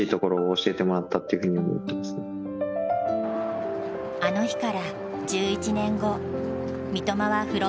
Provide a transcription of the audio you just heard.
あの日から１１年後三笘はフロンターレに入団。